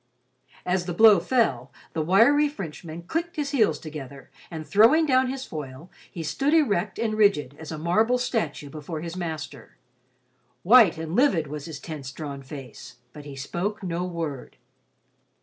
As the blow fell, the wiry Frenchman clicked his heels together, and throwing down his foil, he stood erect and rigid as a marble statue before his master. White and livid was his tense drawn face, but he spoke no word.